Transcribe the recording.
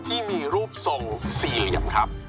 ที่มีรูปทรงสี่เหลี่ยมครับ